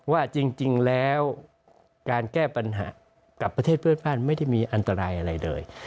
ว่าจริงแล้วการแก้ปัญหากับประเทศเพื่อนบ้านไม่ได้มีอันตรายอะไรเลย